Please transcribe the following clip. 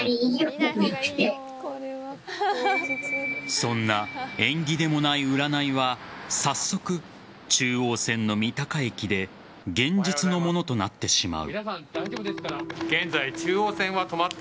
そんな縁起でもない占いは早速、中央線の三鷹駅で現実のものとなってしまう。